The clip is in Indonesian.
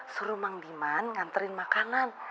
suruh mang deman nganterin makanan